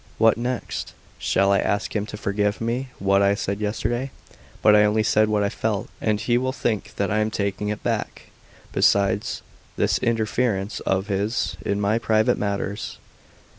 "What next? Shall I ask him to forgive me what I said yesterday? But I only said what I felt, and he will think that I am taking it back. Besides, this interference of his in my private matters.